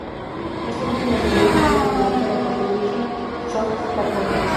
Este último sería adaptado como ópera por Dmitri Shostakóvich.